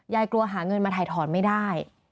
กลัวหาเงินมาถ่ายถอนไม่ได้